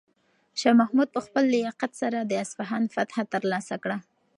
شاه محمود په خپل لیاقت سره د اصفهان فتحه ترلاسه کړه.